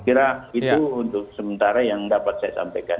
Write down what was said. saya kira itu untuk sementara yang dapat saya sampaikan